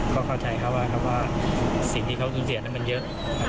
ก็เข้าใจเขาว่าสิ่งที่เขาสูญเสียนั้นมันเยอะ